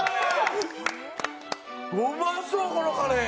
うまそうこのカレー！